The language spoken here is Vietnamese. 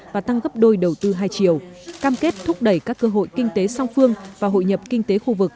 và tăng gấp đôi đầu tư hai triệu cam kết thúc đẩy các cơ hội kinh tế song phương và hội nhập kinh tế khu vực